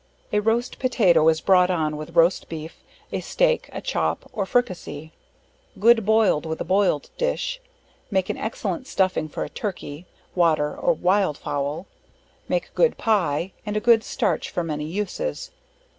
A roast Potato is brought on with roast Beef, a Steake, a Chop, or Fricassee; good boiled with a boiled dish; make an excellent stuffing for a turkey, water or wild fowl; make a good pie, and a good starch for many uses.